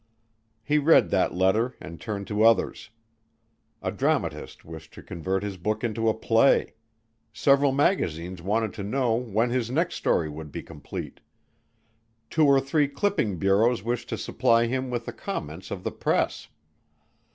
He read that letter and turned to others. A dramatist wished to convert his book into a play ... several magazines wanted to know when his next story would be complete ... two or three clipping bureaus wished to supply him with the comments of the press